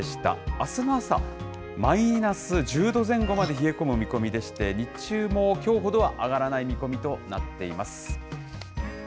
あすの朝、マイナス１０度前後まで冷え込む見込みでして、日中もきょうほどは上がらない見込みとなっています。